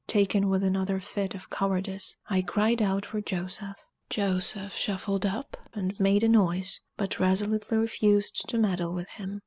Taken with another fit of cowardice, I cried out for Joseph. Joseph shuffled up and made a noise, but resolutely refused to meddle with him.